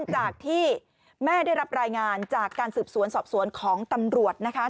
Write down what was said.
จากที่แม่ได้รับรายงานจากการสืบสวนสอบสวนของตำรวจนะคะ